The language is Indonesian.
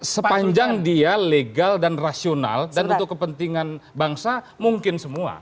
sepanjang dia legal dan rasional dan untuk kepentingan bangsa mungkin semua